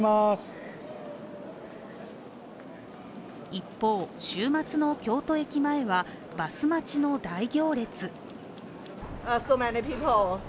一方、週末の京都駅前はバス待ちの大行列。